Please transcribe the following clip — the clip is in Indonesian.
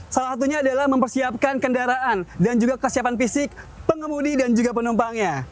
salah satunya adalah mempersiapkan kendaraan dan juga kesiapan fisik pengemudi dan juga penumpangnya